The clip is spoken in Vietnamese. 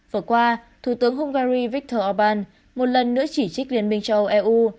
vừa qua thủ tướng hungary viktor orbán một lần nữa chỉ trích liên minh châu âu eu